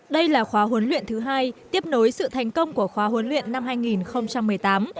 đây là khóa huấn luyện thứ hai tiếp nối sự thành công của khóa huấn luyện năm hai nghìn một mươi tám